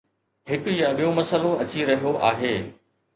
هڪ يا ٻيو مسئلو اچي رهيو آهي.